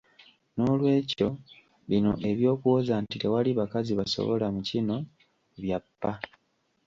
Noolwekyo, bino eby’okuwoza nti tewali bakazi basobola mu kino, bya ppa.